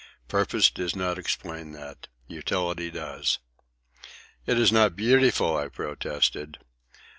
Purpose does not explain that. Utility does." "It is not beautiful," I protested.